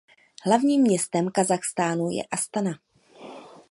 Hlavním městem Kazachstánu je Astana.